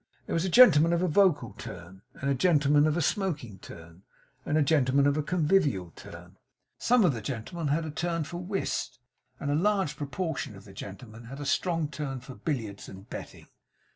There was a gentleman of a vocal turn, and a gentleman of a smoking turn, and a gentleman of a convivial turn; some of the gentlemen had a turn for whist, and a large proportion of the gentlemen had a strong turn for billiards and betting.